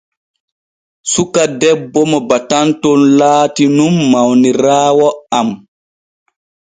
Suka debbo mo batanton laati nun mawniraawo am.